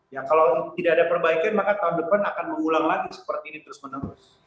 ya kalau tidak ada perbaikan maka tahun depan akan mengulang lagi seperti ini terus menerus